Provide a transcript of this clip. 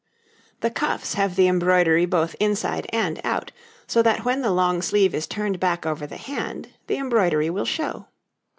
The cuffs have the embroidery both inside and out, so that when the long sleeve is turned back over the hand the embroidery will show.